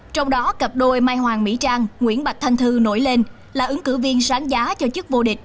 trong đó cặp đôi mai hoàng mỹ trang nguyễn bạch thanh thư nổi lên là ứng cử viên sáng giá cho chức vô địch